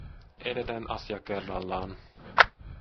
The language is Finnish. Edetään asia kerrallaan.